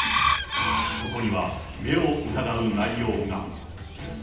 そこには目を疑う内容が。